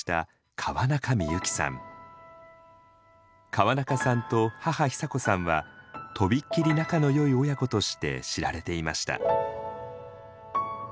川中さんと母久子さんはとびっきり仲のよい親子として知られていました。